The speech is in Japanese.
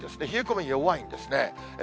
冷え込みは弱いですね。